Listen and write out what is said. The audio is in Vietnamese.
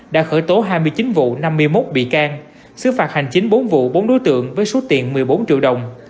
đã khởi tố hai mươi chín vụ năm mươi một bị can xứ phạt hành chính bốn vụ bốn đối tượng với số tiền một mươi bốn triệu đồng